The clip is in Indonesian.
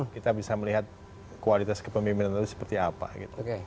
kita bisa melihat kualitas kepemimpinan itu seperti apa gitu